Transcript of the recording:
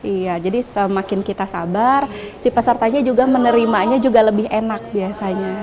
iya jadi semakin kita sabar si pesertanya juga menerimanya juga lebih enak biasanya